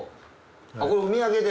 これお土産で？